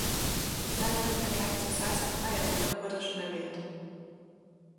Seine im Vergleich zur Salsa freie Rolle wurde schon erwähnt.